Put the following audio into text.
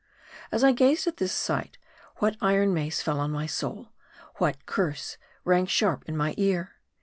As I gazed at this sight, what iron mace fell on my soul ; what curse rang sharp in my ear